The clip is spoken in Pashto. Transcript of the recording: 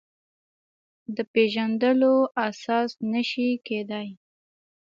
د پېژندلو اساس نه شي کېدای.